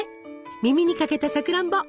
耳にかけたさくらんぼ！